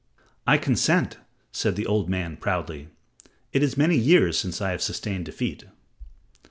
"I consent," said the old man, proudly. "It is many years since I have sustained defeat."